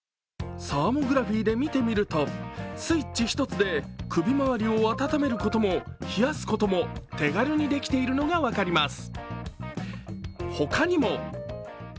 サーモグラフィーで見てみると、スイッチ１つで首回りを温めることも冷やすことも手軽にできているのが分かります。